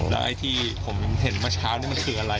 แล้วไอ้ที่ผมเห็นเมื่อเช้านี้มันคืออะไร